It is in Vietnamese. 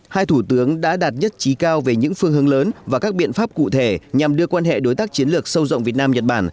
hai thủ tướng đã đạt nhất trí cao về những phương hướng lớn và các biện pháp cụ thể nhằm đưa quan hệ đối tác chiến lược sâu rộng việt nam nhật bản